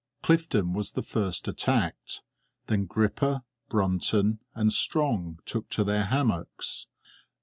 Clifton was the first attacked; then Gripper, Brunton, and Strong took to their hammocks.